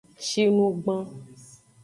Shinugban.